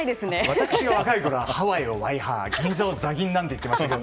私は若いころはハワイをワイハー銀座をザギンなんて言ってましたけど。